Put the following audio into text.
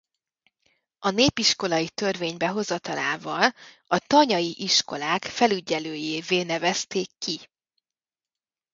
A népiskolai törvény behozatalával a tanyai iskolák felügyelőjévé nevezték ki.